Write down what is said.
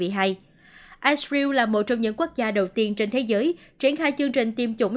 istram là một trong những quốc gia đầu tiên trên thế giới triển khai chương trình tiêm chủng